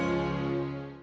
terima kasih farah